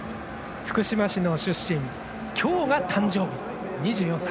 福島市出身きょうが誕生日、２４歳。